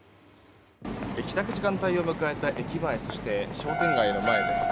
帰宅時間帯を迎えた駅前そして商店街の前です。